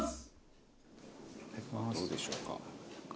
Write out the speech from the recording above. どうでしょうか？